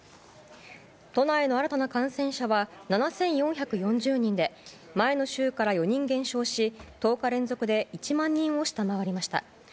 都内の新たな感染者は７４４０人で前の週から４人減少し１０日連続で１万人を下回りました。